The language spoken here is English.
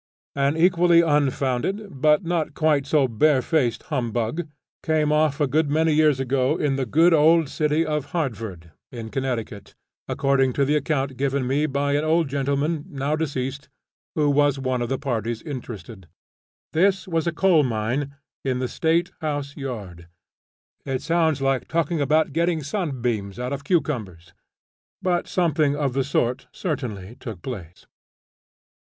An equally unfounded but not quite so barefaced humbug came off a good many years ago in the good old city of Hartford, in Connecticut, according to the account given me by an old gentleman now deceased, who was one of the parties interested. This was a coal mine in the State House yard. It sounds like talking about getting sunbeams out of cucumbers but something of the sort certainly took place.